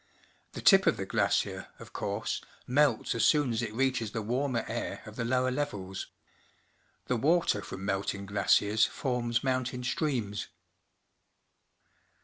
The tip of the glacier, of course, melts as soon as it reaches the warmer air of the lower levels. The water from melting glaciers forms mountain streams.